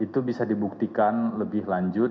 itu bisa dibuktikan lebih lanjut